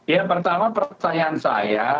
yang pertama pertanyaan saya